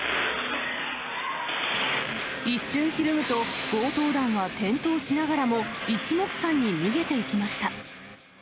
一瞬ひるむと、強盗団は転倒しながらも、いちもくさんに逃げていきました。